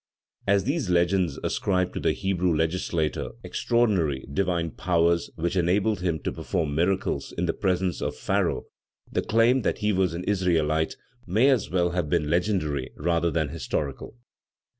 As these legends ascribe to the Hebrew legislator extraordinary divine powers which enabled him to perform miracles in the presence of Pharaoh, the claim that he was an Israelite may as well have been legendary rather than historical.